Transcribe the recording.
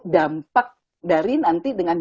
dampak dari nanti dengan